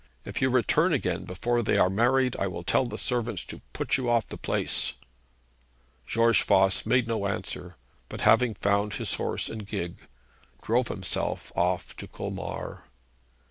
If you return again before they are married, I will tell the servants to put you off the place!' George Voss made no answer, but having found his horse and his gig, drove himself off to Colmar.